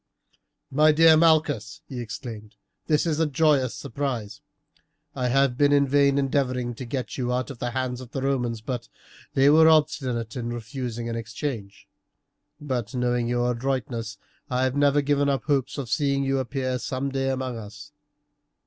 "My dear Malchus," he exclaimed, "this is a joyous surprise. I have been in vain endeavouring to get you out of the hands of the Romans, but they were obstinate in refusing an exchange; but knowing your adroitness, I have never given up hopes of seeing you appear some day among us.